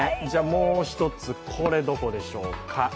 もう１つ、これ、どこでしょうか。